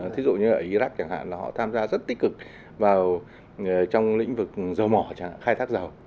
thí dụ như ở iraq chẳng hạn là họ tham gia rất tích cực vào trong lĩnh vực dầu mỏ chẳng hạn khai thác dầu